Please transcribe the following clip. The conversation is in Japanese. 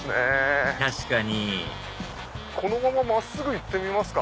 確かにこのまま真っすぐ行ってみますか。